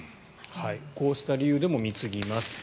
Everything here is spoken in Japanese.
こうした理由でも貢ぎます。